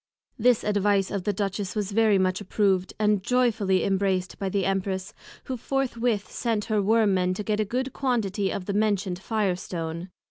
This Advice of the Duchess was very much approved; and joyfully embraced by the Empress, who forthwith sent her Worm men to get a good quantity of the mentioned Fire stone.